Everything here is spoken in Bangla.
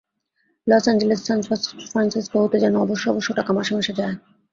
লস এঞ্জেলেস, সান ফ্রান্সিস্কো হতে যেন অবশ্য অবশ্য টাকা মাসে মাসে যায়।